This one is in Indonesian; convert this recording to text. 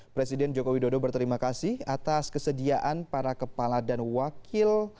presiden joko widodo berterima kasih atas kesediaan para kepala dan wakil